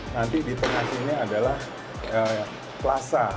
nanti di tengah sini adalah plaza